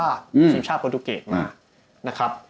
ที่ชีพชาติประดูกเกตมานะครับ